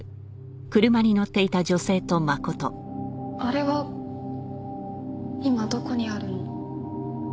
あれは今どこにあるの？